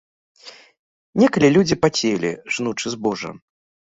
Некалі людзі пацелі, жнучы збожжа.